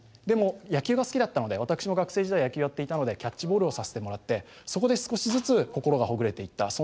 でも野球が好きだったので私も学生時代野球をやっていたのでキャッチボールをさせてもらってそこで少しずつ心がほぐれていった。